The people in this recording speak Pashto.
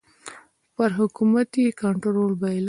پر حکومت یې کنټرول بایله.